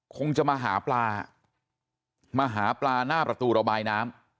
คงจะมาหาปลามาหาปลาหน้าประตูระบายน้ำ